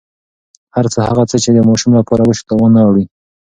هره هڅه چې د ماشوم لپاره وشي، تاوان نه اړوي.